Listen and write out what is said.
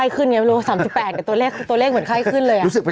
ข้างชื่นเนี่ยโรสสามสิบแปดแต่ตัวเลขตัวเลขเหมือนข้ายขึ้นเลยอะรู้สึกเป็น